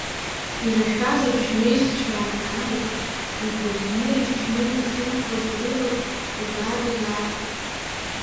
Ирашәаз абжьҩеишьцәа анааи, игәаӷьны ишьны ирзымфоз рырыхә убар иаахә.